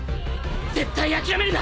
絶対諦めるな！